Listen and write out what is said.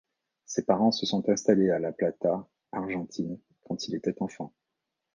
Ses parents se sont installés à La Plata, Argentine quand il était enfant.